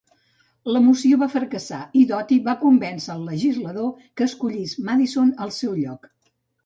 La moció va fracassar i Doty va convèncer el legislador que escollís Madison al seu lloc.